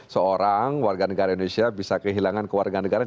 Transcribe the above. seorang warganegara indonesia bisa kehilangan kewarganegaraan